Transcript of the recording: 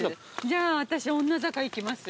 じゃあ私女坂行きます。